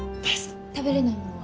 食べられないものは？